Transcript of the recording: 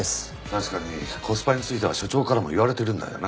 確かにコスパについては署長からも言われてるんだよな。